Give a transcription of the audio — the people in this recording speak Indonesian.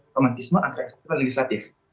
romantisme angka eksekutif dan legislatif